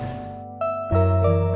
mas haris berhasil